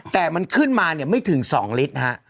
แต่มันขึ้นมาเนี่ยไม่ถึง๒ลิตรฮะ